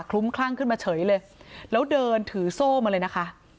้มคลั่งขึ้นมาเฉยเลยแล้วเดินถือโซ่มาเลยนะคะ